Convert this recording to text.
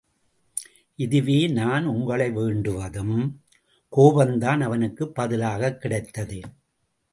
இதுவே நான் உங்களை வேண்டுவதும்! கோபம்தான் அவனுக்குப் பதிலாகக் கிடைத்தது.